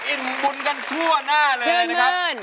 อิ่มบุญกันทั่วหน้าเลยนะครับ